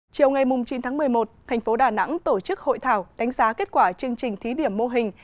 chiều ngày chín tháng một mươi một thành phố đà nẵng tổ chức hội thảo đánh giá kết quả chương trình thí điểm mô hình